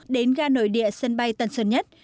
đến ga nội địa sân bay tân sơn nhất